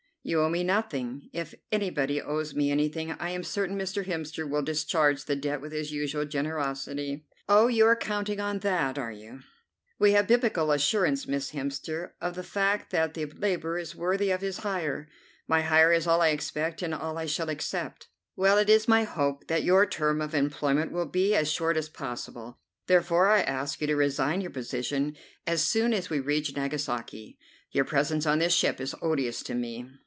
"You owe me nothing. If anybody owes me anything I am certain Mr. Hemster will discharge the debt with his usual generosity." "Oh, you are counting on that, are you?" "We have Biblical assurance, Miss Hemster, of the fact that the labourer is worthy of his hire. My hire is all I expect, and all I shall accept." "Well, it is my hope that your term of employment will be as short as possible; therefore I ask you to resign your position as soon as we reach Nagasaki. Your presence on this ship is odious to me."